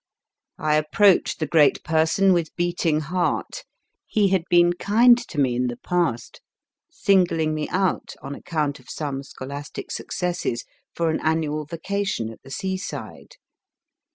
I approached the great person with beating heart. He had been kind to me in the past, singling me out, on account of some scholastic successes, for an annual vacation at the seaside.